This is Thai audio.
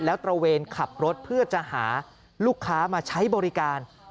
แล้วตระเวนขับรถเพื่อจะหาลูกค้ามาใช้บริการ